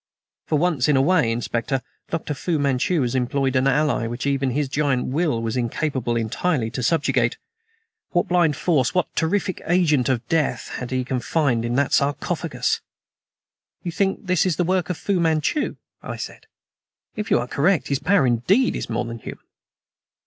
"For once in a way, Inspector, Dr. Fu Manchu has employed an ally which even his giant will was incapable entirely to subjugate. What blind force what terrific agent of death had he confined in that sarcophagus!" "You think this is the work of Fu Manchu?" I said. "If you are correct, his power indeed is more than human."